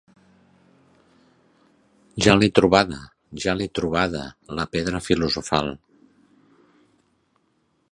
Ja l'he trobada! ¡Ja l'he trobada la pedra filosofal!